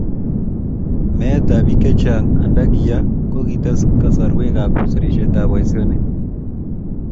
meetab biik che chang' anda ki yaa, ko kites kasarweka serisietab boisionik